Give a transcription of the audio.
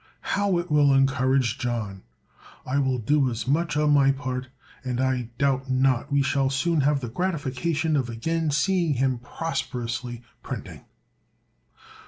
How it will encourage John! I will do as much on my part, and I doubt not we shall soon have the gratification of again seeing him prosperously printing."